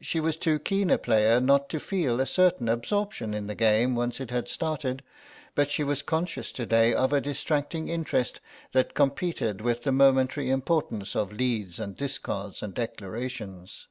She was too keen a player not to feel a certain absorption in the game once it had started, but she was conscious to day of a distracting interest that competed with the momentary importance of leads and discards and declarations.